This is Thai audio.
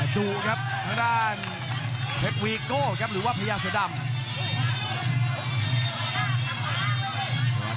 ดูครับทางด้านเพชรวีโก้ครับหรือว่าพญาเสือดำ